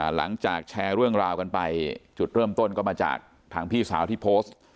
หลังจากแชร์เรื่องราวกันไปจุดเริ่มต้นก็มาจากทางพี่สาวที่โพสต์